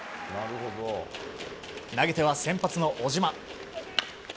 投げては先発の小島。